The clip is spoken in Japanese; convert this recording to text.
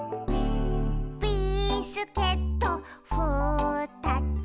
「ビスケットふたつ」